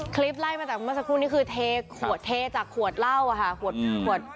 คลิปไล่มาจากเมื่อสักครู่นี้คือเทขวดเทจากขวดเหล้าอะค่ะขวดขวด